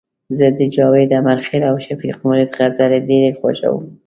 زه د جاوید امرخیل او شفیق مرید غزلي ډيري خوښوم